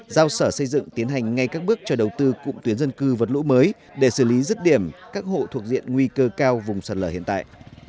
giao sở xây dựng tiến hành ngay các bước cho đầu tư cụm tuyến dân cư vượt lũ mới để xử lý rứt điểm các hộ thuộc diện nguy cơ cao vùng sạt lở hiện tại